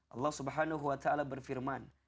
allah swt berfirman